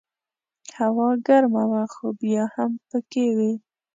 هوا ګرمه وه خو بیا هم پکې وې.